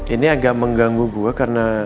ini agak mengganggu gue karena